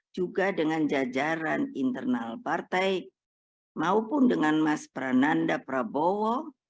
juga dengan jajaran internal partai maupun dengan mas prananda prabowo